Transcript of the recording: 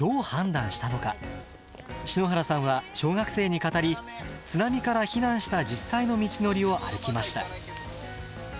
篠原さんは小学生に語り津波から避難した実際の道のりを歩きました。